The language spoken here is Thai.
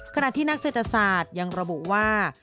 ขณะที่นักเศรษฐศาสตร์ยังระบุว่า